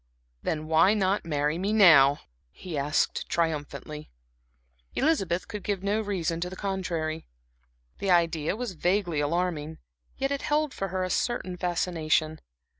"Then why not marry me now," he asked, triumphantly. Elizabeth could give no good reason to the contrary. The idea was vaguely alarming, yet it held for her a certain fascination.